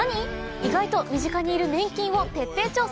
意外と身近にいる粘菌を徹底調査。